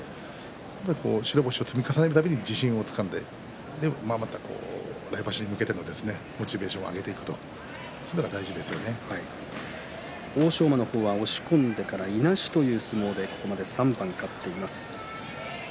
白星を積み重ねる中でもって自信をつかんで来場所に向けてモチベーションを上げていくと欧勝馬は押し込んでいなしという相撲で３番勝っています。